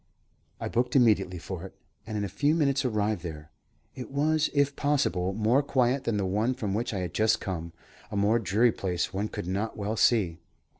I booked immediately for it, and in a few minutes arrived there. It was, if possible, more quiet than the one from which I had just come; a more dreary place one could not well see.